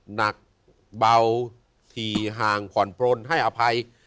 หนักเบาถี่ห่างผ่อนปลนให้อภัย